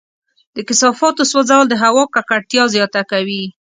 د کثافاتو سوځول د هوا ککړتیا زیاته کوي.